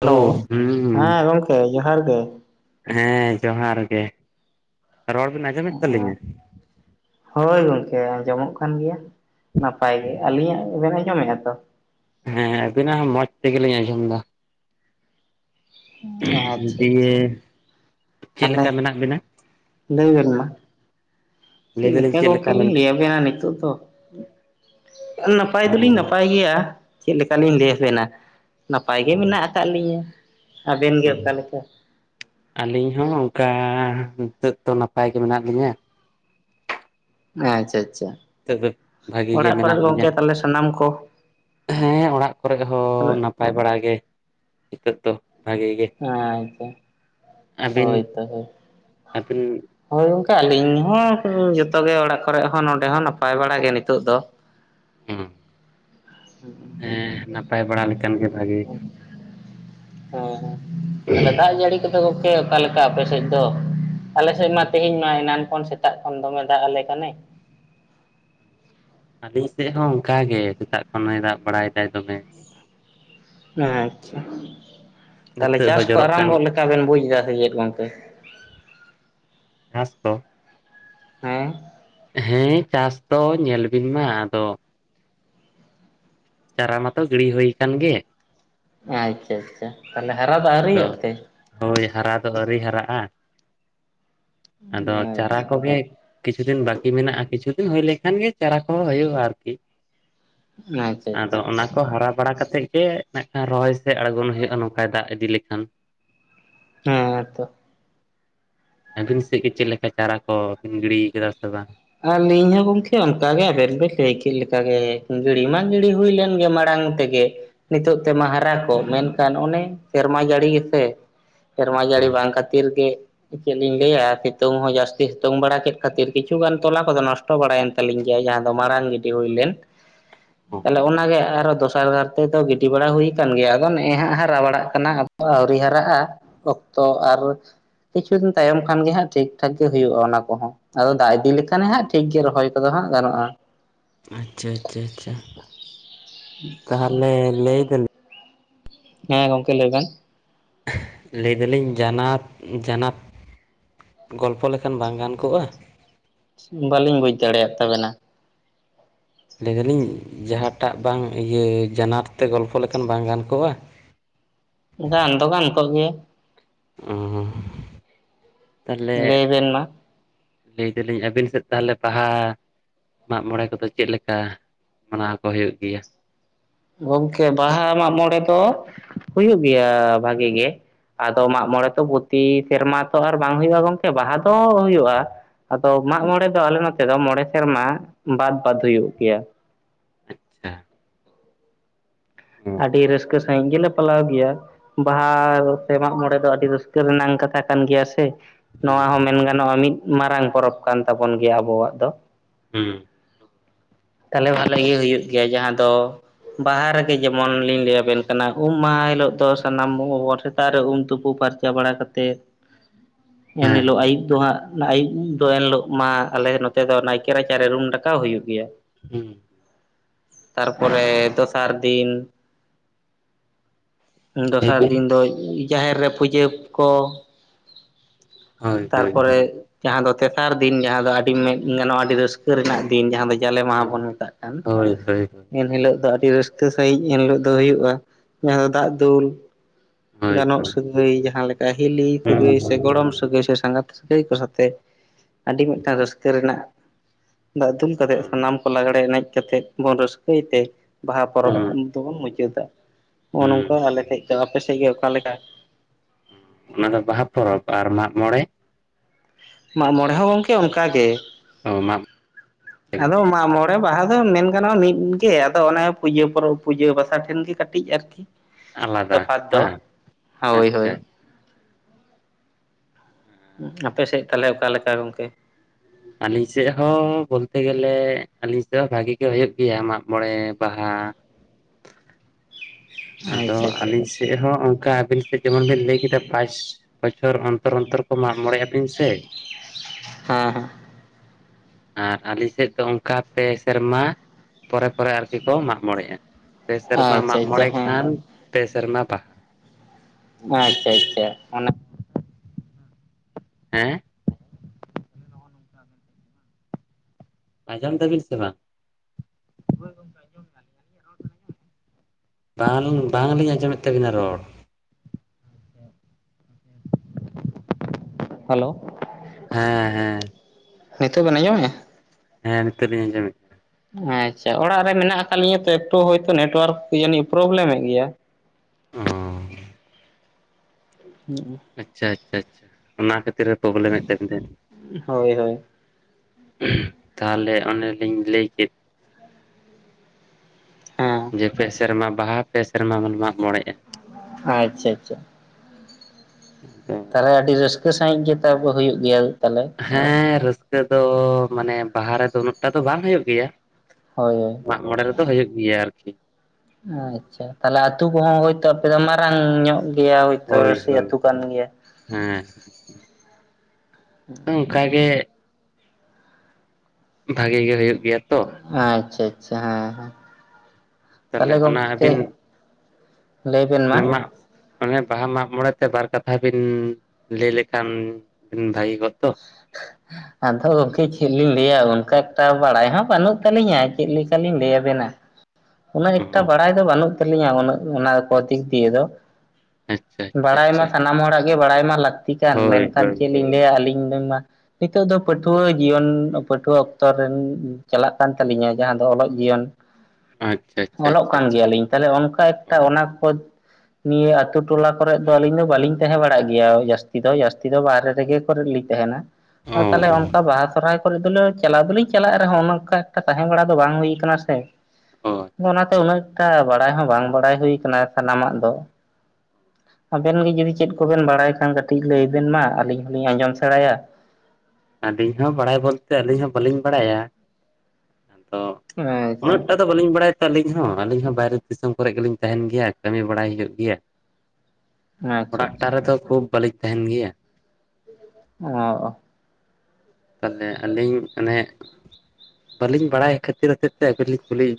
Hello, ᱦᱮᱸ ᱜᱚᱢᱠᱮ ᱡᱚᱦᱟᱨ ᱜᱮ᱾ ᱦᱮᱸ ᱡᱚᱦᱟᱨ ᱜᱮ, ᱨᱚᱲ ᱵᱮᱱ ᱦᱳᱭ ᱜᱚᱢᱠᱮ ᱟᱸᱡᱚᱢᱚᱜ ᱠᱟᱱ ᱜᱮᱭᱟ᱾ ᱱᱟᱯᱟᱭ ᱜᱮ ᱟᱹᱞᱤᱧᱟᱜ ᱵᱮᱱ ᱟᱸᱡᱚᱢᱮᱫᱟ ᱛᱚ? ᱦᱮᱸ ᱟᱹᱵᱤᱱᱟᱜ ᱦᱚᱸ ᱢᱚᱡᱽ ᱛᱮᱜᱮ ᱞᱤᱧ ᱟᱸᱡᱚᱢ ᱫᱟ᱾ ᱟᱪᱪᱷᱟ ᱫᱤᱭᱮ ᱟᱪᱪᱷᱟ ᱪᱮᱫ ᱛᱟᱦᱚᱞᱮ ᱞᱮᱠᱟ ᱢᱮᱱᱟᱜ ᱵᱤᱱᱟ? ᱞᱟᱹᱭ ᱵᱮᱱ ᱢᱟ᱾ ᱞᱟᱹᱭ ᱪᱤᱫ ᱫᱟᱞᱤᱧ ᱞᱮᱠᱟ ᱪᱮᱫ ᱜᱚᱢᱠᱮ ᱞᱤᱧ ᱢᱮᱱᱟᱜ ᱞᱟᱹᱭ ᱟᱵᱮᱱᱟ ᱱᱤᱛᱳᱜ ᱫᱚ᱾ ᱱᱟᱯᱟᱭ ᱚ ᱫᱚᱞᱤᱧ ᱱᱟᱯᱟᱭ ᱜᱮᱭᱟ ᱪᱮᱫ ᱞᱮᱠᱟ ᱞᱤᱧ ᱞᱟᱹᱭ ᱟᱵᱮᱱᱟ᱾ ᱱᱟᱯᱟᱭ ᱜᱮ ᱚ ᱢᱮᱱᱟᱜ ᱟᱠᱟᱫ ᱞᱤᱧᱟᱹ᱾ ᱟᱵᱮᱱ ᱜᱮ ᱚᱠᱟ ᱞᱮᱠᱟ? ᱟᱞᱤᱧ ᱦᱚᱸ ᱚᱝᱠᱟ ᱱᱤᱛᱚᱜ ᱫᱚ ᱱᱟᱯᱟᱭ ᱜᱮ ᱢᱮᱱᱟᱜ ᱞᱤᱧᱟ᱾ ᱟᱪᱪᱷᱟ, ᱟᱪᱪᱷᱟ ᱱᱤᱛᱚᱜ ᱫᱚ ᱵᱷᱟᱜᱤ ᱜᱮ ᱚᱲᱟᱜ ᱢᱮᱱᱟᱜ ᱠᱚᱨᱮᱫ ᱞᱤᱧᱟᱹ ᱜᱚᱝᱠᱮ ᱛᱟᱦᱞᱮ ᱥᱟᱱᱟᱢ ᱠᱚ᱾ ᱦᱮᱸ ᱚᱲᱟᱜ ᱠᱚᱨᱮᱫ ᱦᱚᱸ ᱛᱟᱦᱚᱞᱮ ᱱᱟᱯᱟᱭ ᱵᱟᱲᱟ ᱜᱮ ᱱᱤᱛᱚᱜ ᱫᱚ᱾ ᱵᱷᱟᱜᱮ ᱜᱮ ᱟᱪᱪᱷᱟ ᱟᱹᱵᱤᱱ, ᱦᱳᱭ ᱛᱚ ᱦᱳᱭ ᱟᱹᱵᱤᱱ ᱦᱳᱭ ᱜᱚᱝᱠᱮ ᱟᱞᱤᱧ ᱦᱚᱸ ᱡᱚᱛᱚ ᱜᱮ ᱚᱲᱟᱜ ᱠᱚᱨᱮ ᱦᱚᱸ ᱱᱚᱰᱮ ᱦᱚᱸ ᱱᱟᱯᱟᱭ ᱵᱟᱲᱟ ᱜᱮ ᱱᱤᱛᱳᱜ ᱫᱚ᱾ ᱦᱩᱸ, ᱦᱮᱸ ᱱᱟᱯᱟᱭ ᱵᱟᱲᱟ ᱞᱮᱠᱟᱱ ᱜᱮ ᱵᱷᱟᱜᱤ᱾ ᱦᱮᱸ, ᱦᱮᱸ ᱛᱟᱦᱞᱮ ᱫᱟᱜ ᱡᱟᱹᱲᱤ ᱠᱚᱫᱚ ᱜᱚᱝᱠᱮ ᱚᱠᱟ ᱞᱮᱠᱟ ᱟᱯᱮ ᱥᱮᱫ ᱫᱚ? ᱟᱞᱮ ᱥᱮᱫ ᱢᱟ ᱛᱤᱦᱤᱧ ᱢᱟ ᱮᱱᱟᱱ ᱠᱷᱚᱱ ᱥᱮᱛᱟᱜ ᱠᱷᱚᱱ ᱫᱚᱢᱮ ᱫᱟᱜ ᱟᱞᱮ ᱠᱟᱱᱮ᱾ ᱟᱞᱤᱧ ᱥᱮᱫ ᱦᱚᱸ ᱚᱱᱠᱟ ᱜᱮ ᱥᱮᱛᱟᱜ ᱠᱷᱚᱱ ᱫᱟᱜ ᱵᱟᱲᱟᱭ ᱫᱟᱭ ᱫᱚᱢᱮ᱾ ᱟᱪᱪᱷᱟ ᱛᱟᱦᱞᱮ ᱱᱤᱛᱚᱜ ᱪᱟᱥ ᱦᱚᱸ ᱠᱚ ᱡᱚᱨᱚᱜ ᱠᱟᱱ ᱟᱨᱟᱢᱵᱚᱜ ᱞᱮᱠᱟ ᱵᱮᱱ ᱵᱩᱡᱫᱟ ᱥᱮ ᱪᱮᱫ ᱜᱚᱝᱠᱮ? [unintelligible] ᱦᱮᱸ᱾ ᱦᱮᱸ ᱪᱟᱥ ᱫᱚ ᱧᱮᱞ ᱵᱤᱱ ᱢᱟ ᱟᱫᱚ ᱪᱟᱨᱟ ᱢᱟᱛᱚ ᱜᱤᱲᱤ ᱦᱳᱭ ᱠᱟᱱ ᱜᱮ᱾ ᱟᱪᱪᱷᱟ- ᱟᱪᱪᱷᱟ ᱛᱟᱞᱦᱮ ᱦᱟᱨᱟ ᱫᱚ ᱟᱹᱣᱨᱤ ᱭᱟᱜ ᱟᱫᱚ ᱛᱮ? ᱦᱳᱭ ᱦᱟᱨᱟ ᱫᱚ ᱟᱹᱣᱨᱤ ᱦᱟᱨᱟᱜ-ᱟ ᱟᱫᱚ ᱪᱟᱨᱟ ᱟᱪᱪᱷᱟ ᱠᱚᱜᱮ ᱠᱤᱪᱷᱩ ᱫᱤᱱ ᱵᱟᱠᱤ ᱢᱮᱱᱟᱜ-ᱟ ᱠᱤᱪᱷᱩ ᱫᱤᱱ ᱦᱩᱭ ᱞᱮᱠᱷᱟᱱ ᱜᱮ ᱪᱟᱨᱟ ᱠᱚᱦᱚᱸ ᱦᱩᱭᱩᱜ-ᱟ ᱟᱨᱠᱤ᱾ ᱟᱪᱪᱷᱟ ᱟᱫᱚ ᱟᱪᱪᱷᱟ ᱚᱱᱟ ᱠᱚ ᱦᱟᱨᱟ ᱵᱟᱲᱟ ᱠᱟᱛᱮ ᱜᱮ ᱢᱤᱫ ᱴᱮᱱ ᱨᱚᱦᱚᱭ ᱥᱮᱜ ᱟᱬᱜᱚᱱ ᱦᱩᱭᱩᱜ-ᱟ ᱱᱚᱝᱠᱟᱭ ᱫᱟᱜ ᱤᱫᱤ ᱞᱮᱠᱷᱟᱱ᱾ [unintelligible] ᱟᱹᱵᱤᱱ ᱥᱮᱫ ᱜᱮ ᱪᱮᱫ ᱞᱮᱠᱟ ᱪᱟᱨᱟ ᱠᱚᱵᱤᱱ ᱜᱤᱲᱤ ᱠᱟᱫᱟ ᱥᱮ ᱵᱟᱝ? ᱟᱞᱤᱧ ᱦᱚᱸ ᱜᱚᱝᱠᱮ ᱚᱱᱠᱟ ᱜᱮ ᱟᱵᱮᱱ ᱵᱮᱱ ᱞᱟᱹᱭ ᱠᱮᱫ ᱞᱮᱠᱟ ᱜᱮ ᱜᱤᱲᱤ ᱢᱟ ᱜᱤᱲᱤ ᱦᱩᱭ ᱞᱮᱱ ᱜᱮ ᱢᱟᱲᱟᱝ ᱛᱮᱜᱮ ᱱᱤᱛᱚᱜ ᱛᱮᱢᱟ ᱦᱟᱨᱟ ᱠᱚᱜ ᱢᱮᱱᱠᱷᱟᱱ ᱚᱱᱮ ᱥᱮᱨᱢᱟ ᱡᱟᱹᱲᱤ ᱜᱮᱥᱮ ᱥᱮᱨᱢᱟ ᱡᱟᱲᱤ ᱵᱟᱝ ᱠᱷᱟᱹᱛᱤᱨ ᱜᱮ ᱪᱮᱫ ᱞᱤᱧ ᱞᱟᱹᱭᱟ ᱥᱤᱛᱩᱝ ᱦᱚᱸ ᱡᱟᱥᱛᱤ ᱥᱤᱛᱩᱝ ᱵᱟᱲᱟ ᱠᱮᱫ ᱠᱷᱟᱹᱛᱤᱨ ᱠᱤᱪᱷᱩ ᱜᱟᱱ ᱛᱚᱞᱟ ᱠᱚᱫᱚ ᱱᱚᱥᱴᱚ ᱵᱟᱲᱟᱭᱮᱱ ᱛᱟᱹᱞᱤᱧ ᱜᱮᱭᱟ ᱡᱟᱦᱟᱸ ᱫᱚ ᱢᱟᱲᱟᱝ ᱜᱤᱰᱤ ᱦᱩᱭ ᱞᱮᱱ᱾ ᱛᱟᱞᱦᱮ ᱚᱱᱟ ᱜᱮ ᱟᱨᱚ ᱫᱚᱥ [unintelligible] ᱛᱮᱫᱚ ᱜᱤᱰᱤ ᱵᱟᱲᱟ ᱦᱩᱭ ᱠᱟᱱ ᱜᱮᱭᱟ ᱟᱫᱚ ᱱᱮᱜ-ᱮ ᱦᱟᱸᱜ ᱦᱟᱨᱟ ᱵᱟᱲᱟᱜ ᱠᱟᱱᱟ ᱟᱫᱚ ᱟᱣᱨᱤ ᱦᱟᱨᱟᱜ-ᱟ᱾ ᱚᱠᱛᱚ ᱟᱨ ᱠᱤᱪᱷᱩ ᱫᱤᱱ ᱛᱟᱭᱚᱢ ᱠᱷᱟᱱ ᱜᱮ ᱦᱟᱸᱜ ᱴᱷᱤᱠ ᱴᱷᱟᱠ ᱜᱮ ᱦᱩᱭᱩᱜ-ᱟ ᱚᱱᱟ ᱠᱚᱦᱚᱸ ᱟᱫᱚ ᱫᱟᱜ ᱤᱫᱤ ᱤᱫᱤ ᱞᱮᱠᱷᱟᱱᱮ ᱦᱟᱸᱜ ᱴᱷᱤᱠ ᱜᱮ ᱨᱚᱦᱚᱭ ᱠᱚᱫᱚ ᱦᱟᱸᱜ ᱜᱟᱱᱚᱜ-ᱟ᱾ ᱟᱪᱪᱷᱟ, ᱟᱪᱪᱷᱟ, ᱟᱪᱪᱷᱟ ᱛᱟᱦᱞᱮ ᱞᱟᱹᱭ ᱫᱟ ᱦᱮᱸ ᱜᱚᱝᱠᱮ ᱞᱟᱹᱭ ᱵᱮᱱ᱾ ᱞᱟᱹᱭ ᱫᱟᱞᱤᱧ ᱡᱟᱱᱟᱛ ᱡᱟᱱᱟᱛ ᱜᱚᱞᱯᱚ ᱞᱮᱠᱷᱟᱱ ᱵᱟᱝ ᱜᱟᱱ ᱠᱚᱜ-ᱟ? ᱵᱟᱹᱞᱤᱧ ᱵᱩᱡᱽ ᱫᱟᱲᱮᱭᱟᱫ ᱛᱟᱵᱮᱱᱟ᱾ ᱞᱟᱹᱭ ᱫᱟᱞᱤᱧ ᱡᱟᱦᱟᱸᱴᱟᱜ ᱵᱟᱝ ᱤᱭᱟᱹ ᱡᱟᱱᱟᱴ ᱛᱮ ᱜᱚᱞᱯᱷᱚ ᱞᱮᱠᱷᱟᱱ ᱵᱟᱝ ᱜᱟᱱ ᱠᱚᱜ-ᱟ᱾ ᱜᱟᱱ ᱫᱚ ᱜᱟᱱ ᱠᱚᱜ ᱜᱮᱭᱟ᱾ ᱚ ᱛᱟᱞᱦᱮ ᱞᱟᱹᱭ ᱵᱮᱱ ᱢᱟ ᱞᱟᱹᱭ ᱫᱟᱞᱤᱧ ᱟᱵᱤᱱ ᱥᱮᱫ ᱛᱟᱦᱞᱮ ᱵᱟᱦᱟ ᱢᱟᱜᱽ ᱢᱚᱬᱮᱸ ᱠᱚᱫᱚ ᱪᱮᱫ ᱞᱮᱠᱟ ᱢᱟᱱᱟᱣ ᱠᱚ ᱦᱩᱭᱩᱜ ᱜᱮᱭᱟ? ᱜᱚᱝᱠᱮ ᱵᱟᱦᱟ ᱢᱟᱜ ᱢᱚᱬᱮ ᱫᱚ ᱦᱩᱭᱩᱜ ᱜᱮᱭᱟ ᱵᱷᱟᱜᱮ ᱜᱮ᱾ ᱟᱫᱚ ᱢᱟᱜᱢᱚᱬᱮ ᱛᱚ ᱯᱩᱛᱤ ᱥᱮᱨᱢᱟ ᱛᱚ ᱟᱨ ᱵᱟᱝ ᱦᱩᱭᱩᱜ-ᱟ ᱜᱚᱝᱠᱮ᱾ ᱵᱟᱦᱟ ᱫᱚ ᱦᱩᱭᱩᱜ-ᱟ ᱟᱫᱚ ᱢᱟᱜᱢᱚᱬᱮ ᱫᱚ ᱟᱞᱮ ᱱᱚ ᱛᱮᱫᱚ ᱢᱚᱬᱮ ᱥᱮᱨᱢᱟ ᱵᱟᱫ ᱵᱟᱫ ᱦᱩᱭᱩᱜ ᱜᱮᱭᱟ᱾ ᱟᱪᱪᱷᱟ᱾ ᱦᱩᱸ ᱟᱹᱰᱤ ᱨᱟᱹᱥᱠᱟᱹ ᱥᱟᱺᱦᱤᱡ ᱜᱮᱞᱮ ᱯᱟᱞᱟᱣ ᱜᱮᱭᱟ᱾ ᱵᱟᱦᱟ ᱥᱮ ᱢᱟᱜ ᱢᱚᱬᱮ ᱫᱚ ᱟᱹᱰᱤ ᱨᱟᱹᱥᱠᱟᱹ ᱨᱮ ᱨᱮᱱᱟᱝ ᱠᱟᱛᱷᱟ ᱠᱟᱱ ᱜᱮᱭᱟ ᱥᱮ᱾ ᱱᱚᱣᱟ ᱦᱚᱸ ᱢᱮᱱ ᱜᱟᱱᱚᱜᱼᱟ ᱢᱤᱫ ᱢᱟᱨᱟᱝ ᱯᱚᱨᱚᱵᱽ ᱠᱟᱱ ᱛᱟᱵᱚᱱ ᱜᱮᱭᱟ ᱟᱵᱚᱣᱟᱜ ᱫᱚ᱾ ᱦᱩᱸ᱾ ᱛᱟᱦᱚᱞᱮ ᱵᱷᱟᱞᱮ ᱜᱮ ᱦᱩᱭᱩᱜ ᱜᱮᱭᱟ ᱡᱟᱦᱟᱸ ᱫᱚ ᱵᱟᱦᱟ ᱨᱮᱜᱮ ᱡᱮᱢᱚᱱ ᱞᱤᱧ ᱞᱟᱹᱭᱟᱵᱮᱱ ᱠᱟᱱᱟ ᱩᱢ ᱢᱟᱦᱟ ᱦᱤᱞᱳᱜ ᱫᱚ ᱥᱟᱱᱟᱢ [unintelligible] ᱥᱮᱛᱟᱜ ᱨᱮ ᱩᱢ ᱛᱩᱯᱩ ᱯᱷᱟᱨ ᱪᱟ ᱵᱟᱲᱟ ᱠᱟᱛᱮᱫ [inaudible] ᱦᱮᱸ ᱮᱱᱦᱤᱞᱳᱜ ᱟᱹᱭᱩᱵ ᱫᱚ ᱦᱟᱸᱜ ᱚᱱᱟ ᱟᱹᱭᱩᱵ ᱫᱚ ᱮᱱ ᱦᱤᱞᱳᱜ ᱢᱟ ᱟᱞᱮ ᱱᱚᱛᱮ ᱫᱚ ᱱᱟᱭᱠᱮ ᱨᱟᱪᱟᱨᱮ ᱨᱩᱢ ᱰᱟᱠᱟᱣ ᱦᱩᱭᱩᱜ ᱜᱮᱭᱟ᱾ ᱦᱩᱸ᱾ ᱛᱟᱨᱯᱚᱨᱮ ᱫᱚᱥᱟᱨ ᱫᱤᱱ ᱞᱟᱹᱭ ᱫᱚᱥᱟᱨ ᱵᱤᱱ ᱫᱤᱱ ᱫᱚ ᱡᱟᱦᱮᱨ ᱨᱮ ᱯᱩᱡᱟᱹ ᱠᱚ ᱦᱳᱭ ᱦᱳᱭ ᱛᱟᱨᱯᱚᱨᱮ ᱡᱟᱦᱟᱸ ᱫᱚ ᱛᱮᱥᱟᱨ ᱫᱤᱱ ᱡᱟᱦᱟᱸ ᱫᱚ ᱟᱹᱰᱤ ᱢᱮᱱ ᱜᱟᱱᱚᱜᱼᱟ ᱟᱹᱰᱤ ᱨᱟᱹᱥᱠᱟᱹ ᱨᱮᱱᱟᱜ ᱫᱤᱱ ᱡᱟᱦᱟᱸ ᱫᱚ ᱡᱟᱞᱮ ᱢᱟᱦᱟ ᱦᱳᱭ ᱵᱚᱱ ᱢᱮᱛᱟᱜ ᱠᱟᱱ᱾ ᱦᱳᱭ ᱦᱳᱭ ᱦᱳᱭ ᱮᱱ ᱦᱤᱞᱳᱜ ᱫᱚ ᱟᱹᱰᱤ ᱨᱟᱹᱥᱠᱟᱹ ᱥᱟᱺᱦᱤᱡ ᱮᱱᱦᱤᱞᱳᱜ ᱫᱚ ᱦᱩᱭᱩᱜᱼᱟ, ᱡᱟᱦᱟᱸ ᱫᱚ ᱫᱟᱜ ᱫᱩᱞ᱾ ᱦᱳᱭ ᱜᱟᱱᱚᱜ ᱦᱩᱸ ᱥᱟᱹᱜᱟᱹᱭ ᱡᱟᱦᱟᱸ ᱞᱮᱠᱟ ᱦᱤᱞᱤ ᱦᱩᱸ ᱥᱟᱹᱜᱟᱹᱭ, ᱥᱮ ᱜᱚᱲᱚᱢ ᱥᱟᱹ ᱥᱟᱹᱜᱟᱹᱭ ᱥᱮ ᱥᱟᱸᱜᱟᱛ ᱥᱟᱹᱜᱟᱹᱭ ᱠᱚ ᱥᱟᱛᱮᱜ ᱟᱹᱰᱤ ᱢᱤᱫᱴᱟᱱ ᱨᱟᱹᱥᱠᱟᱹ ᱨᱮᱱᱟᱜ ᱫᱟᱜ ᱫᱩᱞ ᱠᱟᱛᱮᱫ ᱥᱟᱱᱟᱢ ᱠᱚ ᱞᱟᱜᱽᱲᱮ ᱮᱱᱮᱡ ᱠᱟᱛᱮᱜ ᱵᱚᱱ ᱨᱟᱹᱥᱠᱟᱹᱭ ᱛᱮ ᱵᱟᱦᱟ ᱯᱚᱨᱚᱵᱽ ᱦᱩᱸ ᱫᱚᱵᱚᱱ ᱢᱩᱪᱟᱹᱫᱟ, ᱱᱚᱜᱼᱚ ᱦᱩᱸ ᱱᱚᱝᱠᱟ ᱟᱞᱮ ᱥᱮᱡ ᱫᱚ᱾ ᱟᱯᱮ ᱥᱮᱫ ᱜᱮ ᱚᱠᱟ ᱞᱮᱠᱟ? ᱚᱱᱟ ᱫᱚ ᱵᱟᱦᱟ ᱯᱚᱨᱚᱵᱽ ᱟᱨ ᱢᱟᱜ ᱢᱚᱬᱮ? ᱢᱟᱜ ᱢᱚᱬᱮ ᱦᱚᱸ ᱜᱚᱝᱠᱮ ᱚᱱᱠᱟ ᱜᱮ, ᱚ ᱢᱟᱜ ᱢᱚᱬᱮ ᱜᱮ ᱟᱫᱚ ᱢᱟᱜ ᱢᱚᱬ ᱵᱟᱦᱟ ᱫᱚ ᱢᱮᱱ ᱜᱟᱱᱚᱜᱼᱟ ᱢᱤᱫ ᱜᱮ ᱟᱫᱚ ᱚᱱᱮ ᱯᱩᱡᱟᱹ ᱯᱚᱨᱚᱵᱽ ᱯᱩᱡᱟᱹ ᱵᱟᱥᱟ ᱴᱷᱮᱱ ᱜᱮ ᱠᱟᱹᱴᱤᱡ ᱟᱨᱠᱤ ᱟᱞᱟᱫᱟ ᱛᱚᱯᱷᱟᱫ ᱫᱚ, ᱵᱟᱝ ᱦᱳᱭ ᱦᱳᱭ᱾ ᱟᱪᱪᱷᱟ ᱟᱪᱪᱷᱟ ᱟᱪᱪᱷᱟ ᱟᱯᱮ ᱥᱮᱫ ᱛᱟᱞᱦᱮ ᱚᱠᱟ ᱞᱮᱠᱟ ᱜᱚᱝᱠᱮ? ᱟᱹᱞᱤᱧ ᱥᱮᱡ ᱦᱚᱸ ᱵᱚᱞᱛᱮ ᱜᱮᱞᱮ ᱟᱹᱞᱤᱧ ᱥᱮᱫ ᱦᱚᱸ ᱵᱷᱟᱜᱤ ᱜᱮ ᱦᱩᱭᱩᱜ ᱜᱮᱭᱟ ᱢᱟᱜᱢᱚᱬᱮ, ᱵᱟᱦᱟ ᱟᱫᱚ ᱟᱪᱪᱷᱟ ᱟᱪᱪᱷᱟ ᱟᱹᱞᱤᱧ ᱥᱮᱡ ᱦᱚᱸ ᱚᱱᱠᱟ ᱟᱹᱵᱤᱱ ᱥᱮᱫ ᱡᱮᱢᱚᱱ ᱵᱤᱱ ᱞᱟᱹᱭ ᱠᱮᱫᱟ ᱯᱟᱭᱤᱥ ᱵᱚᱪᱷᱚᱨ ᱚᱱᱛᱚᱨ ᱚᱱᱛᱚᱨ ᱠᱚ ᱢᱟᱜᱽ ᱢᱚᱬᱮ ᱟᱵᱤᱱ ᱥᱮ᱾ ᱦᱮᱸ ᱦᱮᱸ᱾ [inaudible] ᱟᱨ ᱟᱹᱞᱤᱧ ᱥᱮᱫ ᱫᱚ ᱚᱱᱠᱟ ᱯᱮ ᱥᱮᱨᱢᱟ ᱯᱚᱨᱮ ᱯᱚᱨᱮ ᱟᱨᱠᱤ ᱠᱚ ᱢᱟᱜᱽ ᱢᱚᱬᱮᱜᱼᱟ᱾ ᱯᱮ ᱥᱮᱨᱢᱟ ᱟᱪᱪᱷᱟ ᱢᱟᱜᱽ ᱟᱪᱪᱷᱟ ᱢᱚᱬᱮ ᱦᱮᱸ ᱠᱷᱟᱱ ᱯᱮ ᱥᱮᱨᱢᱟ ᱵᱟᱦᱟ᱾ ᱟᱪᱪᱷᱟ, ᱟᱪᱪᱷᱟ ᱚᱱᱟ ᱦᱮᱸ? ᱟᱸᱡᱚᱢ ᱫᱟᱵᱤᱱ ᱥᱮ ᱵᱟᱝ? ᱦᱳᱭ ᱜᱚᱝᱠᱮ ᱟᱸᱡᱚᱢ [unintelligible] ᱵᱟᱝ, ᱵᱟᱝᱞᱤᱧ ᱟᱸᱡᱚᱢᱮᱫ ᱛᱟᱵᱤᱱᱟ ᱨᱚᱲ᱾ ᱦᱮᱞᱳ᱾ ᱦᱮᱸ ᱦᱮᱸ᱾ ᱱᱤᱛᱚᱜ ᱵᱮᱱ ᱟᱸᱡᱚᱢ ᱮᱜ-ᱟ? ᱦᱮᱸ, ᱱᱤᱛᱚᱜ ᱞᱤᱧ ᱟᱸᱡᱚᱢᱮᱫ᱾ ᱟᱪᱪᱷᱟ, ᱚᱲᱟᱜ ᱨᱮ ᱢᱮᱱᱟᱜ ᱟᱠᱟᱫ ᱞᱤᱧᱟᱹ ᱛᱚ ᱮᱠᱴᱩ ᱦᱚᱭᱛᱳ ᱱᱮᱴᱣᱟᱨᱠ ᱠᱩ ᱡᱟᱱᱤᱡ ᱯᱨᱚᱵᱞᱮᱢᱮᱫ ᱜᱮᱭᱟ᱾ ᱚᱻ [unintelligible] ᱟᱪᱪᱷᱟ ᱟᱪᱪᱷᱟ ᱟᱪᱪᱷᱟ ᱚᱱᱟ ᱠᱷᱟᱹᱛᱤᱨᱮ ᱯᱨᱚᱵᱞᱮᱢᱮᱫ ᱛᱟᱵᱤᱱᱟ᱾ ᱦᱳᱭ ᱦᱳᱭ ᱛᱟᱦᱚᱞᱮ ᱚᱱᱮᱞᱤᱧ ᱞᱟᱹᱭ ᱠᱮᱫ ᱦᱮᱸ ᱡᱮ ᱯᱮ ᱥᱮᱨᱢᱟ ᱵᱟᱦᱟ ᱯᱮ ᱥᱮᱨᱢᱟ ᱢᱟᱱᱮ ᱢᱟᱜ ᱢᱚᱬᱮᱜᱼᱟ᱾ ᱟᱪᱪᱷᱟ ᱟᱪᱪᱷᱟ᱾ [unintelligible] ᱛᱟᱦᱚᱞᱮ ᱟᱹᱰᱤ ᱨᱟᱹᱥᱠᱟᱹ ᱥᱟᱹᱦᱤᱡ ᱜᱮ ᱛᱟᱵᱚ ᱦᱩᱭᱩᱜ ᱜᱮᱭᱟ ᱛᱟᱞᱮ? ᱦᱮᱸᱻ ᱨᱟᱹᱥᱠᱟᱹ ᱫᱚ, ᱢᱟᱱᱮ ᱵᱟᱦᱟ ᱨᱮᱫᱚ ᱩᱱᱟᱹᱜ ᱴᱟ ᱫᱚ ᱵᱟᱝ ᱦᱩᱭᱩᱜ ᱜᱮᱭᱟ ᱦᱳᱭ ᱦᱳᱭ᱾ ᱢᱟᱜ ᱢᱚᱬᱮ ᱨᱮᱫᱚ ᱦᱩᱭᱩᱜ ᱜᱮᱭᱟ ᱟᱨᱠᱤ᱾ ᱟᱪᱪᱷᱟ, ᱛᱟᱦᱞᱮ ᱟᱛᱳ ᱠᱚᱦᱚᱸ ᱦᱳᱭᱛᱚ ᱟᱯᱮ ᱫᱚ ᱢᱟᱨᱟᱝ ᱧᱚᱜ ᱜᱮᱭᱟ ᱦᱳᱭ [unintelligible] ᱦᱳᱭ ᱟᱹᱛᱩ ᱠᱟᱱ ᱦᱳᱭ ᱜᱮᱭᱟ᱾ ᱦᱮᱸ, ᱚᱱᱠᱟ ᱜᱮ᱾ ᱵᱷᱟᱜᱤ ᱜᱮ ᱦᱩᱭᱩᱜ ᱜᱮᱭᱟ ᱛᱚ᱾ ᱟᱪᱪᱷᱟ ᱟᱪᱪᱷᱟ, ᱦᱮᱸ ᱛᱟᱦᱚᱞᱮ ᱚᱱᱟ ᱟᱹᱵᱤᱱ ᱞᱟᱹᱭ ᱵᱮᱱ ᱢᱟ [unintelligible] ᱚᱱᱮ ᱵᱟᱦᱟ ᱢᱟᱜ ᱢᱚᱬᱮ ᱛᱮ ᱵᱟᱨ ᱠᱟᱛᱷᱟ ᱵᱤᱱ ᱞᱟᱹᱭ ᱞᱮᱠᱷᱟᱱ ᱵᱷᱟᱭ ᱠᱚᱫ ᱛᱚ᱾ ᱟᱫᱚ ᱜᱚᱝᱠᱮ ᱪᱮᱫ ᱞᱤᱧ ᱞᱟᱹᱭᱟ, ᱚᱱᱠᱟ ᱮᱠᱴᱟ ᱵᱟᱲᱟᱭ ᱦᱚᱸ ᱵᱟᱹᱱᱩᱜ ᱛᱟᱹᱞᱤᱧᱟ ᱪᱮᱫ ᱞᱮᱠᱟᱞᱤᱧ ᱞᱟᱹᱭᱟᱵᱮᱱᱟ? ᱩᱱᱟᱹᱜ ᱮᱠᱴᱟ ᱵᱟᱲᱟᱭ ᱫᱚ ᱵᱟᱹᱱᱩᱜ ᱛᱟᱹᱞᱤᱧᱟ ᱩᱱᱟᱹᱜ ᱚᱱᱟ ᱯᱨᱚᱛᱤᱠ ᱫᱤᱭᱮ ᱟᱪᱪᱷᱟ ᱫᱚ, ᱟᱪᱪᱷᱟ ᱵᱟᱲᱟᱭ ᱢᱟ ᱟᱪᱪᱷᱟ ᱥᱟᱱᱟᱢ ᱦᱚᱲᱟᱜ ᱜᱮ ᱵᱟᱲᱟᱭ ᱢᱟ ᱞᱟᱠ ᱛᱤ ᱠᱟᱱ ᱦᱳᱭ ᱢᱮᱱᱠᱷᱟᱱ ᱦᱳᱭ ᱪᱮᱫ ᱞᱤᱧ ᱦᱳᱭ ᱞᱟᱹᱭᱟ ᱟᱹᱞᱤᱧ ᱨᱮᱱ ᱢᱟ ᱱᱤᱛᱚᱜ ᱫᱚ ᱯᱟᱹᱴᱷᱩᱣᱟᱹ ᱡᱤᱭᱚᱱ ᱯᱟᱹᱴᱷᱩᱣᱟᱹ ᱚᱠᱛᱚ ᱨᱮᱱ ᱪᱟᱞᱟᱜ ᱠᱟᱱ ᱛᱟᱹᱞᱤᱧᱟ ᱡᱟᱦᱟᱸ ᱫᱚ ᱚᱞᱚᱜ ᱡᱤᱭᱚᱱ ᱟᱪᱪᱷᱟ ᱟᱪᱪᱷᱟ ᱚᱞᱚᱜ ᱟᱪᱪᱷᱟ ᱠᱟᱱ ᱟᱪᱪᱷᱟ ᱜᱮᱭᱟᱞᱤᱧ ᱛᱟᱦᱚᱞᱮ ᱚᱱᱠᱟ ᱮᱠᱴᱟ ᱚ ᱚᱱᱟ ᱠᱚ ᱱᱤᱭᱟᱹ ᱟᱛᱳ ᱴᱚᱞᱟ ᱠᱚᱨᱮ ᱫᱚ ᱟᱹᱞᱤᱧ ᱫᱚ ᱵᱟᱹᱞᱤᱧ ᱛᱟᱦᱮᱸ ᱵᱟᱲᱟᱜ ᱜᱮᱭᱟ ᱡᱟᱹᱥᱛᱤ ᱫᱚ, ᱡᱟᱹᱥᱛᱤ ᱫᱚ ᱵᱟᱦᱨᱮ ᱨᱮᱜᱮ ᱠᱚᱨᱮᱫ ᱞᱤᱧ ᱛᱟᱦᱮᱸᱱᱟ᱾ ᱚ ᱛᱟᱦᱚᱞᱮ ᱚ ᱚᱱᱠᱟ ᱵᱟᱦᱟ ᱥᱚᱦᱨᱟᱭ ᱯᱚᱨᱮ ᱫᱚᱞᱮ ᱪᱟᱞᱟᱣ ᱫᱚᱞᱤᱧ ᱪᱟᱞᱟᱜ ᱨᱮᱦᱚᱸ ᱚᱱᱮ ᱚᱱᱠᱟ ᱮᱠᱴᱟ ᱛᱟᱦᱮᱸ ᱵᱟᱲᱟ ᱫᱚ ᱵᱟᱝ ᱦᱩᱭ ᱟᱠᱟᱱᱟ ᱥᱮ ᱚ ᱟᱪᱪᱷᱟ ᱚᱱᱟᱛᱮ ᱟᱪᱪᱷᱟ ᱩᱱᱟᱹᱜ ᱴᱟ ᱵᱟᱲᱟᱭ ᱦᱚᱸ ᱵᱟᱝ ᱵᱟᱲᱟᱭ ᱦᱩᱭ ᱠᱟᱱᱟ ᱥᱟᱱᱟᱢᱟᱜ ᱫᱚ ᱾ ᱟᱵᱮᱱ ᱜᱮ ᱡᱩᱫᱤ ᱪᱮᱫ ᱠᱚᱵᱮᱱ ᱵᱟᱲᱟᱭ ᱠᱷᱟᱱ ᱠᱟᱹᱴᱤᱡ ᱞᱟᱹᱭᱵᱮᱱ ᱢᱟ, ᱟᱹᱞᱤᱧ ᱦᱚᱸᱞᱤᱧ ᱟᱸᱡᱚᱢ ᱥᱮᱬᱟᱭᱟ ᱾ ᱟᱹᱞᱤᱧ ᱦᱚᱸ ᱵᱟᱲᱟᱭ ᱵᱚᱞᱛᱮ ᱟᱹᱞᱤᱧ ᱦᱚᱸ ᱵᱟᱹᱞᱤᱧ ᱵᱟᱲᱟᱭᱟ, ᱟᱫᱚ ᱚ, ᱟᱪᱪᱷᱟ᱾ ᱩᱱᱟᱹᱜ ᱴᱟ ᱫᱚ ᱵᱟᱹᱞᱤᱧ ᱵᱟᱲᱟᱭ ᱮᱛᱮᱫ ᱟᱹᱞᱤᱧ ᱦᱚᱸ ᱟᱹᱞᱤᱧ ᱦᱚᱸ ᱵᱟᱭᱨᱮ ᱫᱤᱥᱚᱢ ᱠᱚᱨᱮᱜ ᱜᱮᱞᱤᱧ ᱛᱟᱦᱮᱸᱱ ᱜᱮᱭᱟ ᱠᱟᱹᱢᱤ ᱵᱟᱲᱟᱭ ᱦᱩᱭᱩᱜ ᱜᱮᱭᱟ ᱾ ᱟᱪᱪᱷᱟ ᱚᱲᱟᱜ ᱴᱟ ᱟᱪᱪᱷᱟ ᱨᱮᱫᱚ ᱠᱷᱩᱵᱽ ᱵᱟᱹᱞᱤᱧ ᱛᱟᱦᱮᱸᱱ ᱜᱮᱭᱟ᱾ ᱚᱻ ᱚᱻ ᱛᱟᱦᱚᱞᱮ ᱟᱹᱞᱤᱧ ᱚᱱᱮ ᱵᱟᱹᱞᱤᱧ ᱵᱟᱲᱟᱭ ᱠᱷᱟᱹᱛᱤᱨ ᱛᱮᱥᱮ ᱟᱹᱵᱮᱱ ᱞᱤᱧ ᱠᱩᱞᱤᱭ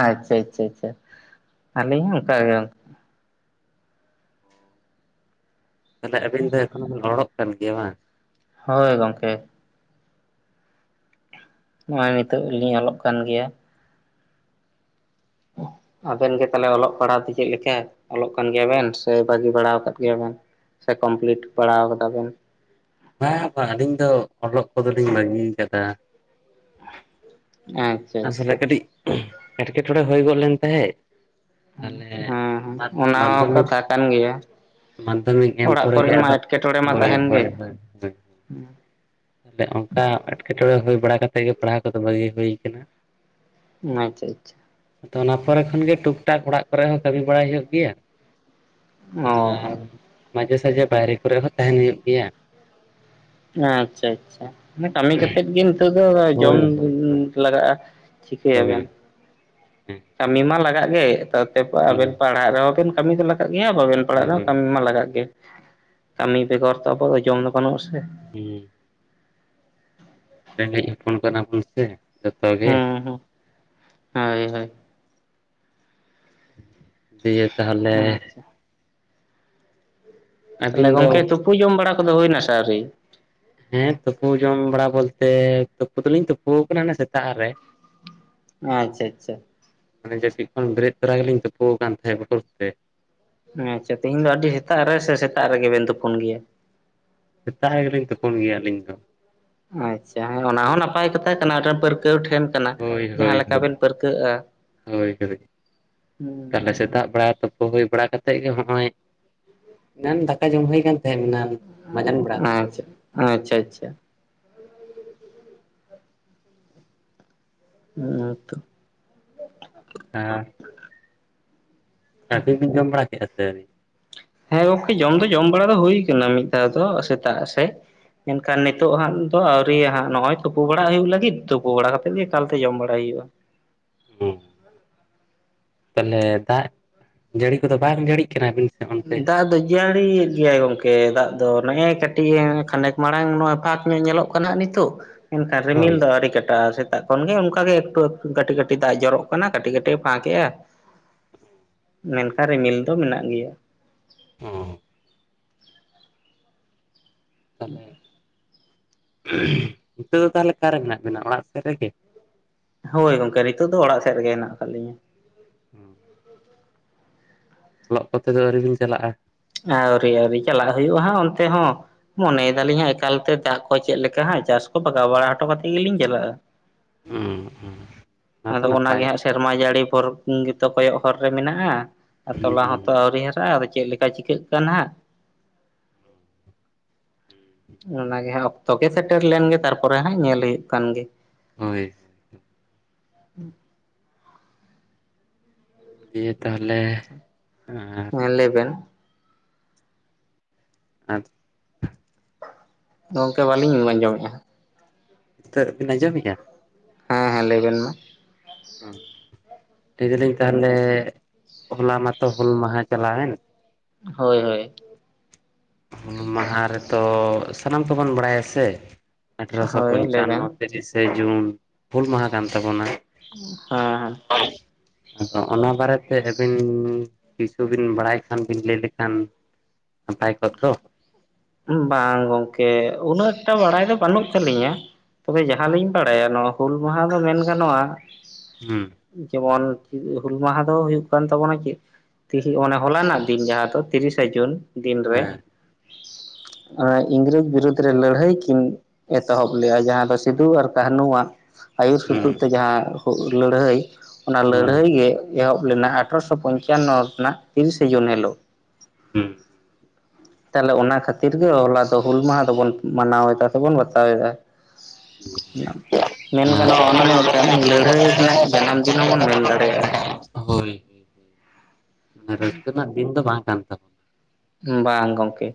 ᱟᱪᱪᱷᱟ ᱟᱪᱪᱷᱟ ᱟᱪᱪᱷᱟ, ᱟᱹᱞᱤᱧ ᱦᱚᱸ ᱚᱱᱠᱟ ᱜᱮ ᱛᱟᱦᱚᱞᱮ ᱟᱹᱵᱤᱱ ᱫᱚ ᱮᱠᱷᱱ ᱦᱚ ᱵᱤᱱ ᱚᱞᱚᱜ ᱠᱟᱱ ᱜᱮᱭᱟ ᱵᱟᱝ? ᱦᱳᱭ ᱜᱚᱢᱠᱮ ᱾ ᱱᱚᱜᱼᱚᱭ ᱱᱤᱛᱚᱜ ᱞᱤᱧ ᱚᱞᱚᱜ ᱠᱟᱱ ᱜᱮᱭᱟ ᱾ ᱟᱹᱵᱮᱱ ᱜᱮ ᱛᱟᱦᱚᱞᱮ ᱚᱞᱚᱜ ᱯᱟᱲᱦᱟᱣ ᱫᱚ ᱪᱮᱫ ᱞᱮᱠᱟ? ᱚᱞᱚᱜ ᱠᱟᱱ ᱜᱮᱭᱟᱵᱮᱱ ᱥᱮ ᱵᱟᱹᱜᱤ ᱵᱟᱲᱟ ᱟᱠᱟᱫ ᱜᱮᱭᱟ ᱵᱮᱱ ᱥᱮ ᱠᱚᱢᱯᱞᱤᱴ ᱵᱟᱲᱟᱣ ᱠᱟ ᱫᱟᱵᱤᱱ? ᱵᱟᱝ ᱵᱟᱝ ᱟᱹᱞᱤᱧ ᱫᱚ ᱚᱞᱚᱜ ᱠᱚᱫᱚᱞᱤᱧ ᱵᱟᱹᱜᱤᱭ ᱟᱠᱟᱫᱟ ᱾ ᱮᱠ ᱟᱥᱚᱞᱮ ᱠᱟᱹᱴᱤᱡ ᱮᱸᱴᱠᱮᱴᱚᱬᱮ ᱦᱩᱭ ᱜᱚᱫ ᱞᱮᱱ ᱛᱟᱦᱮᱸᱫ ᱾ ᱦᱮᱸ ᱛᱟᱦᱚᱞᱮ ᱦᱮᱸ ᱢᱟᱫᱷ ᱚᱱᱟ ᱦᱚᱸ ᱢᱟᱫᱽᱫᱷᱚᱢᱤᱠ ᱠᱟᱛᱷᱟ ᱠᱟᱱ ᱜᱮᱭᱟ ᱢᱟᱫᱽᱫᱷᱚᱢᱤᱠ ᱮᱢ ᱚᱲᱟᱜ ᱯᱚᱨᱮ ᱜᱮ ᱠᱚᱨᱮᱱ ᱢᱟ ᱟᱫᱚ ᱮᱴᱠᱮᱴᱚᱬᱮ ᱢᱟ ᱦᱚᱭ ᱛᱟᱦᱮᱱ ᱜᱮ᱾ ᱦᱚᱭ ᱦᱚᱭ ᱦᱚᱭ ᱾ ᱦᱩᱸ ᱛᱟᱦᱞᱮ ᱚᱱᱠᱟ ᱮᱸᱴᱠᱮᱴᱚᱬᱮ ᱦᱩᱭ ᱵᱟᱲᱟ ᱠᱟᱛᱮᱜ ᱜᱮ ᱯᱟᱲᱦᱟᱣ ᱠᱚᱫᱚ ᱵᱟᱹᱜᱤ ᱦᱩᱭ ᱟᱠᱟᱱᱟ ᱾ ᱟᱪᱪᱷᱟ ᱟᱪᱪᱷᱟ ᱾ ᱟᱫᱚ ᱚᱱᱟ ᱯᱚᱨᱮ ᱠᱷᱚᱱ ᱜᱮ ᱴᱩᱠ ᱴᱟᱠ ᱚᱲᱟᱜ ᱠᱚᱨᱮ ᱦᱚᱸ ᱠᱟᱹᱢᱤ ᱵᱟᱲᱟᱭ ᱦᱩᱭᱩᱜ ᱜᱮᱭᱟ ᱾ ᱟᱨ ᱚ ᱢᱟᱡᱷᱮ ᱥᱟᱡᱷᱮ ᱵᱟᱭᱨᱮ ᱠᱚᱨᱮ ᱦᱚᱸ ᱛᱟᱦᱮᱸᱱ ᱦᱩᱭᱩᱜ ᱜᱮᱭᱟ ᱾ ᱟᱪᱪᱷᱟ ᱟᱪᱪᱷᱟ, ᱚᱱᱮ ᱠᱟᱹᱢᱤ ᱠᱟᱛᱮᱜ ᱜᱮ ᱱᱤᱛᱚᱜ ᱫᱚ ᱡᱚᱢ ᱦᱳᱭ ᱦᱳᱭ ᱦᱳᱭ ᱞᱟᱜᱟᱜᱼᱟ, ᱦᱳᱭ ᱪᱷᱤᱠᱟᱹᱭᱟᱵᱮᱱ ᱾ ᱦᱮᱸ ᱾ ᱠᱟᱹᱢᱤ ᱢᱟ ᱞᱟᱜᱟᱜ ᱜᱮ ᱛᱟᱭᱚᱢ ᱛᱮ ᱟᱹᱵᱮᱱ ᱯᱟᱲᱦᱟᱜ ᱨᱮᱦᱚᱸ ᱵᱮᱱ ᱠᱟᱹᱢᱤ ᱫᱚ ᱞᱟᱜ ᱜᱟ ᱜᱮᱭᱟ ᱵᱟᱹᱵᱮᱱ ᱯᱟᱲᱦᱟᱜ ᱟᱫᱚ ᱨᱮᱦᱚᱸ ᱠᱟᱹᱢᱤ ᱢᱟ ᱞᱟᱜᱟᱜ ᱜᱮ ᱠᱟᱹᱢᱤ ᱵᱮᱜᱚᱨ ᱛᱚ ᱟᱵᱚᱣᱟᱜ ᱫᱚ ᱡᱚᱢ ᱫᱚ ᱵᱟᱹᱱᱩᱜᱼᱟ ᱥᱮ ᱾ ᱦᱢ ᱾ ᱨᱮᱸᱜᱮᱡ ᱦᱚᱯᱚᱱ ᱠᱟᱱᱟ ᱵᱚᱱ ᱥᱮ ᱾ ᱦᱢ ᱦᱢ ᱦᱳᱭ ᱦᱳᱭ ᱾ ᱫᱤᱭᱮ ᱛᱟᱦᱚᱞᱮ ᱟᱪᱪᱷᱟ ᱛᱟᱦᱚᱞᱮ ᱟᱹᱵᱤᱱ ᱫᱚ ᱜᱚᱝᱠᱮ ᱛᱩᱯᱩ ᱡᱚᱢ ᱵᱟᱲᱟ ᱠᱚᱫᱚ ᱦᱩᱭ ᱱᱟ ᱟᱣᱨᱤ? ᱦᱮᱸ ᱛᱩᱯᱩ ᱡᱚᱢ ᱵᱟᱲᱟ ᱵᱚᱞᱛᱮ ᱛᱩᱯᱩ ᱫᱚᱞᱤᱧ ᱛᱩᱯᱩᱣ ᱟᱠᱟᱱᱟ ᱢᱟᱱᱮ ᱥᱮᱛᱟᱜ ᱨᱮ ᱾ [inaudible] ᱟᱪᱪᱷᱟ ᱟᱪᱪᱷᱟ ᱾ ᱢᱟᱱᱮ ᱡᱟᱹᱯᱤᱫ ᱠᱷᱚᱱ ᱵᱮᱨᱮᱫ ᱛᱚᱨᱟ ᱜᱮᱞᱤᱧ ᱛᱩᱯᱩᱣ ᱟᱠᱟᱱ ᱛᱟᱦᱮᱸᱜ ᱵᱚᱛᱚᱨᱱᱛᱮ ᱾ ᱟᱪᱪᱷᱟ ᱛᱮᱦᱮᱧ ᱫᱚ ᱟᱹᱰᱤ ᱥᱮᱛᱟᱜ ᱨᱮ ᱥᱮ ᱥᱮᱛᱟᱜ ᱨᱮᱜᱮ ᱵᱮᱱ ᱛᱩᱯᱩᱱ ᱜᱮᱭᱟ? ᱥᱮᱛᱟᱜ ᱨᱮᱜᱮ ᱞᱤᱧ ᱛᱩᱯᱚᱱ ᱜᱮᱭᱟ ᱟᱹᱞᱤᱧ ᱫᱚ ᱾ ᱟᱪᱪᱷᱟ ᱦᱮᱸ ᱚᱱᱟ ᱦᱚᱸ ᱱᱟᱯᱟᱭ ᱠᱟᱛᱷᱟ ᱠᱟᱱᱟ ᱢᱤᱫᱴᱮᱱ ᱯᱟᱹᱨᱠᱟᱹᱣ ᱴᱷᱮᱱ ᱠᱟᱱᱟ ᱦᱳᱭ ᱡᱟᱦᱟᱸ ᱦᱳᱭ ᱞᱮᱠᱟ ᱵᱮᱱ ᱯᱟᱹᱨᱠᱟᱹᱜᱼᱟ ᱾ ᱛᱟᱦᱞᱮ ᱥᱮᱛᱟᱜ ᱵᱮᱲᱟ ᱠᱚ ᱦᱩᱭ ᱵᱟᱲᱟ ᱠᱟᱛᱮᱫ ᱜᱮ ᱱᱚᱜᱼᱚᱭ ᱮᱱᱟᱱ ᱫᱟᱠᱟ ᱡᱚᱢ ᱦᱩᱭ ᱠᱟᱱ ᱛᱟᱦᱮᱸᱫ ᱮᱱᱟᱱ ᱢᱟᱡᱟᱱ ᱵᱮᱲᱟ ᱫᱚ ᱟᱸᱪᱷᱟ ᱟᱪᱪᱷᱟ ᱟᱪᱪᱷᱟ ᱾ ᱦᱢ ᱦᱚᱭᱛᱚ ᱾ ᱦᱮᱸ ᱾ ᱟᱹᱵᱤᱱ ᱵᱤᱱ ᱡᱚᱢ ᱵᱟᱲᱟ ᱠᱮᱫᱼᱟ ᱥᱮ ᱟᱹᱣᱨᱤ? ᱦᱮᱸ ᱜᱚᱢᱠᱮ ᱡᱚᱢ ᱫᱚ ᱡᱚᱢ ᱵᱟᱲᱟ ᱫᱚ ᱦᱩᱭ ᱟᱠᱟᱱᱟ ᱢᱤᱫ ᱫᱷᱟᱣ ᱫᱚ ᱥᱮᱛᱟᱜ ᱥᱮᱫ ᱾ ᱢᱮᱱᱠᱷᱟᱱ ᱱᱤᱛᱚᱜ ᱦᱟᱸᱜ ᱫᱚ ᱟᱹᱣᱨᱤᱭᱟ ᱦᱟᱸᱜ ᱱᱚᱜᱼᱚᱭ ᱛᱩᱯᱩ ᱵᱟᱲᱟ ᱦᱩᱭᱩᱜ ᱞᱟᱹᱜᱤᱫ ᱛᱩᱯᱩ ᱵᱟᱲᱟ ᱠᱟᱛᱮᱫ ᱜᱮ ᱮᱠᱟᱞᱛᱮ ᱡᱚᱢ ᱵᱟᱲᱟᱭ ᱦᱩᱭᱩᱜᱼᱟ ᱾ ᱦᱢ ᱾ ᱛᱟᱦᱚᱞᱮ ᱫᱟᱜ ᱡᱟᱹᱲᱤ ᱠᱚᱫᱚ ᱵᱟᱝ ᱡᱟᱹᱲᱤᱜ ᱠᱟᱱᱟ ᱟᱹᱵᱤᱱ ᱥᱮᱫ ᱚᱱᱛᱮ ᱫᱟᱜ ᱫᱚ ᱡᱟᱹᱲᱤᱭᱮᱫ ᱜᱮᱭᱟᱭ ᱜᱚᱝᱠᱮ ᱫᱟᱜ ᱫᱚ ᱱᱮᱜᱼᱮ ᱠᱟᱹᱴᱤᱡ-ᱮ ᱠᱷᱟᱱᱮᱠ ᱢᱟᱲᱟᱝ ᱱᱚᱜᱼᱚᱭ ᱯᱷᱟᱸᱠ ᱧᱚᱜ ᱧᱮᱞᱚᱜ ᱠᱟᱱᱟᱜ ᱱᱤᱛᱚᱜ ᱢᱮᱱᱠᱷᱟᱱ ᱨᱤᱢᱤᱞ ᱦᱳᱭ ᱫᱚ ᱟᱹᱣᱨᱤ ᱠᱟᱴᱟᱜᱼᱟ ᱥᱮ ᱾ ᱮᱠᱷᱳᱱ ᱜᱮ ᱚᱱᱠᱟᱜᱮ ᱮᱠᱴᱩ ᱮᱠᱴᱩ ᱠᱟᱹᱴᱤᱡ ᱠᱟᱹᱴᱤᱡ ᱫᱟᱜ ᱡᱚᱨᱚᱜ ᱠᱟᱱᱟ ᱠᱟᱹᱴᱤᱡ ᱠᱟᱹᱴᱤᱡᱼᱮ ᱯᱷᱟᱸᱠ ᱮᱜᱼᱟ ᱾ ᱢᱮᱱᱠᱷᱟᱱ ᱨᱤᱢᱤᱞ ᱫᱚ ᱢᱮᱱᱟᱜ ᱜᱮᱭᱟ ᱾ ᱚ ᱛᱟᱦᱚᱞᱮ [inaudible] [inaudible] ᱱᱤᱛᱚᱜ ᱫᱚ ᱛᱟᱞᱦᱮ ᱚᱠᱟᱨᱮ ᱢᱮᱱᱟᱜ ᱵᱤᱱᱟ ᱚᱲᱟᱜ ᱥᱮᱫ ᱨᱮᱜᱮ? ᱦᱳᱭ ᱜᱚᱝᱠᱮ ᱱᱤᱛᱚᱜ ᱫᱚ ᱚᱲᱟᱜ ᱥᱮᱫ ᱨᱮᱜᱮ ᱦᱮᱱᱟᱜ ᱟᱠᱟᱫ ᱞᱤᱧᱟᱹ ᱾ [inaudible] ᱚᱞᱚᱜ ᱠᱚᱛᱮ ᱫᱚ ᱟᱹᱣᱨᱤ ᱵᱤᱱ ᱪᱟᱞᱟᱜᱼᱟ? ᱟᱹᱣᱨᱤ ᱟᱹᱣᱨᱤ ᱪᱟᱞᱟᱜ ᱦᱩᱭᱩᱜᱼᱟ ᱦᱟᱸᱜ ᱚᱱᱛᱮ ᱦᱚᱸ ᱾ ᱢᱚᱱᱮᱭ ᱫᱟᱞᱤᱧ ᱦᱟᱸᱜ ᱮᱠᱟᱞᱛᱮ ᱫᱟᱜ ᱠᱚ ᱪᱮᱫ ᱞᱮᱠᱟ ᱦᱟᱸᱜ ᱪᱟᱥ ᱠᱚ ᱵᱟᱜᱟᱣ ᱵᱟᱲᱟ ᱦᱚᱴᱚ ᱠᱟᱛᱮᱫ ᱜᱮᱞᱤᱧ ᱪᱟᱞᱟᱜᱼᱟ ᱾ ᱦᱩᱸ ᱦᱩᱸ ᱛᱚ ᱟᱫᱚ ᱚᱱᱟ ᱱᱟᱯᱟᱭ ᱜᱮ ᱦᱟᱸᱜ ᱥᱮᱨᱢᱟ ᱡᱟᱹᱲᱤ ᱯᱚᱨ ᱯᱩᱝ ᱜᱮᱛᱚ ᱠᱚᱭᱚᱜ ᱦᱚᱨ ᱨᱮ ᱢᱮᱱᱟᱜᱼᱟ ᱦᱩᱸ ᱛᱚᱞᱟ ᱦᱩᱸ ᱦᱚᱸᱛᱚ ᱟᱣᱨᱤ ᱦᱟᱨᱟᱜᱼᱟ ᱟᱫᱚ ᱪᱮᱫ ᱠᱟ ᱪᱤᱠᱟᱹᱜ ᱠᱟᱱᱟ ᱦᱟᱸᱜ ᱚᱱᱟᱜᱮ ᱦᱟᱸᱜ ᱛᱚᱜᱮ ᱥᱮᱴᱮᱨ ᱞᱮᱱ ᱜᱮ ᱛᱟᱨᱯᱚᱨᱮ ᱦᱟᱸᱜ ᱧᱮᱞ ᱦᱩᱭᱩᱜ ᱠᱟᱱ ᱜᱮ ᱾ ᱦᱳᱭ, ᱫᱤᱭᱮ ᱛᱟᱞᱦᱮ ᱟᱨ ᱦᱮᱸ ᱞᱮᱭ ᱵᱮᱱ ᱾ ᱟᱫᱚ ᱜᱚᱝᱠᱮ ᱵᱟᱹᱞᱤᱧ ᱟᱸᱡᱚᱢᱮᱫᱼᱟ ᱾ ᱛᱟᱹᱜ ᱵᱤᱱ ᱟᱸᱡᱚᱢᱮᱫ-ᱟ? ᱦᱮᱸ ᱦᱮᱸ ᱞᱟᱹᱭ ᱵᱮᱱ ᱢᱟ ᱞᱟᱹᱭ ᱫᱟᱞᱟᱹᱧ ᱛᱟᱦᱞᱮ ᱦᱚᱞᱟ ᱢᱟᱛᱚ ᱦᱩᱞ ᱢᱟᱦᱟᱸ ᱪᱟᱞᱟᱣᱮᱱ ᱾ ᱦᱳᱭ ᱦᱳᱭ, ᱦᱩᱞ ᱢᱟᱦᱟᱸ ᱨᱮᱛᱚ ᱥᱟᱱᱟᱢ ᱛᱚᱵᱚᱱ ᱵᱟᱲᱟᱭᱟ ᱥᱮ ᱟᱴᱷᱨᱚᱥᱚ ᱦᱳᱭ ᱞᱟᱹᱭ ᱵᱮᱱ ᱯᱚᱧᱪᱟᱱᱱᱚ ᱛᱤᱨᱤᱥᱮ ᱡᱩᱱ ᱦᱩᱞ ᱢᱟᱦᱟᱸ ᱠᱟᱱ ᱛᱟᱵᱚᱱᱟ ᱾ [inaudible] ᱦᱮᱸ ᱦᱮᱸ ᱾ [inaudible] ᱟᱫᱚ ᱚᱱᱟ ᱵᱟᱨᱮᱛᱮ ᱟᱹᱵᱤᱱ ᱠᱤᱪᱷᱩ ᱵᱤᱱ ᱵᱟᱲᱟᱭ ᱠᱷᱟᱱ ᱵᱤᱱ ᱞᱟᱹᱭ ᱞᱮᱠᱷᱟᱱ ᱱᱟᱯᱟᱭ ᱠᱚᱜ ᱫᱚ? ᱵᱟᱝ ᱜᱚᱝᱠᱮ ᱩᱱᱟᱹᱜ ᱮᱠᱴᱟ ᱵᱟᱲᱟᱭ ᱫᱚ ᱵᱟᱹᱱᱩᱜ ᱛᱟᱹᱞᱤᱧᱟ᱾ ᱛᱚᱵᱮ ᱡᱟᱦᱟᱸᱞᱤᱧ ᱵᱟᱲᱟᱭᱟ ᱱᱚᱣᱟ ᱦᱩᱞ ᱢᱟᱦᱟᱸ ᱫᱚ ᱢᱮᱱ ᱜᱟᱱᱚᱜᱼᱟ ᱦᱩᱸ, ᱡᱮᱢᱚᱱ ᱠᱤ ᱦᱩᱞ ᱢᱟᱦᱟᱸ ᱫᱚ ᱦᱩᱭᱩᱜ ᱠᱟᱱ ᱛᱟᱵᱚᱱᱟ ᱪᱮᱫ ᱛᱤᱦᱤ ᱚᱱᱮ ᱦᱚᱞᱟ ᱱᱟᱜ ᱫᱤᱱ ᱡᱟᱦᱟᱸ ᱫᱚ ᱛᱤᱨᱤᱥᱟ ᱡᱩᱱ ᱫᱤᱱ ᱨᱮ ᱦᱮᱸ ᱚᱱᱮ ᱤᱝᱨᱮᱡ ᱵᱤᱨᱩᱫ ᱨᱮ ᱞᱟᱹᱲᱦᱟᱹᱭ ᱠᱤᱱ ᱮᱛᱚᱦᱚᱵ ᱞᱮᱫᱟ ᱡᱟᱦᱟᱸ ᱫᱚ ᱥᱤᱫᱩ ᱟᱨ ᱠᱟᱹᱦᱱᱩ ᱟᱣᱟᱜ ᱟᱹᱭᱩᱨ ᱦᱩᱸ ᱥᱩᱛᱩᱜ ᱛᱮ ᱡᱟᱦᱟᱸ ᱞᱟᱹᱲᱦᱟᱹᱭ ᱚᱱᱟ ᱦᱳᱭ ᱞᱟᱹᱲᱦᱟᱹᱭ ᱜᱮ ᱮᱦᱚᱵ ᱞᱮᱱᱟ ᱟᱴᱷᱨᱚᱥᱚ ᱯᱚᱧᱪᱟᱱᱱᱚ ᱨᱮᱱᱟᱜ ᱛᱤᱨᱤᱥᱮ ᱡᱩᱱ ᱦᱤᱞᱳᱜ᱾ ᱦᱮᱸ, ᱛᱟᱦᱞᱮ ᱚᱱᱟ ᱠᱷᱟᱹᱛᱤᱨ ᱜᱮ ᱦᱚᱞᱟ ᱫᱚ ᱦᱩᱞ ᱢᱟᱦᱟᱸ ᱫᱚᱵᱚᱱ ᱢᱟᱱᱟᱣᱮᱫᱟ ᱥᱮᱵᱚᱱ ᱵᱟᱛᱟᱣᱮᱜᱼᱟ ᱾ ᱜᱟᱱᱚᱜᱼᱟ ᱚᱱᱟ ᱫᱚ [inaudible] ᱢᱤᱫᱴᱟᱝ ᱞᱟᱹᱲᱦᱟᱹᱭ ᱨᱮᱱᱟᱜ ᱡᱟᱱᱟᱢ ᱫᱤᱱ ᱦᱚᱸᱵᱚᱱ ᱢᱮᱱ [inaudible] ᱫᱟᱲᱮᱭᱟᱜᱼᱟ᱾ ᱦᱳᱭ ᱢᱟᱱᱮ ᱨᱟᱹᱥᱠᱟᱹ ᱨᱮᱱᱟᱜ ᱫᱤᱱ ᱫᱚ ᱵᱟᱝ ᱠᱟᱱ ᱛᱟᱵᱚ᱾ ᱵᱟᱝ ᱜᱚᱝᱠᱮ